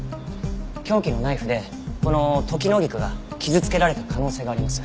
凶器のナイフでこのトキノギクが傷つけられた可能性があります。